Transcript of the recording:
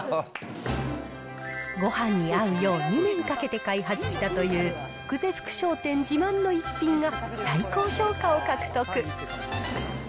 ごはんに合うよう、２年かけて開発したという、久世福商店自慢の一品が最高評価を獲得。